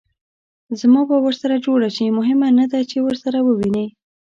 زما به ورسره جوړه شي؟ مهمه نه ده چې ورسره ووینې.